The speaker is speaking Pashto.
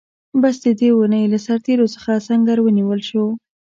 بس د دې اوونۍ له سرتېرو څخه سنګر ونیول شو.